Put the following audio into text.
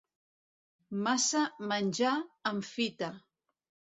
Massa menjar enfita.